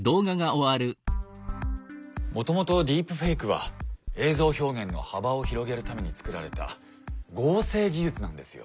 もともとディープフェイクは映像表現の幅を広げるためにつくられた合成技術なんですよ。